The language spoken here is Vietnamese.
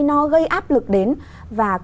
nó gây áp lực đến và